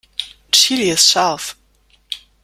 Chili ist scharf.